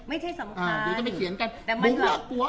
ไม่ใช่สำคัญ